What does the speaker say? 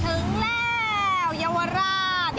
ถึงแล้วเยาวราช